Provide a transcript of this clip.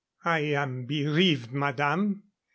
"I am bereaved, madame.